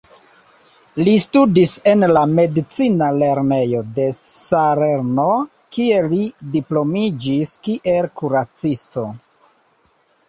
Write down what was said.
Li studis en la "Medicina Lernejo de Salerno" kie li diplomiĝis kiel kuracisto.